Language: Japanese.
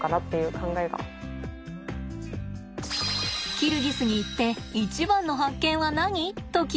キルギスに行って一番の発見は何？と聞いたところ。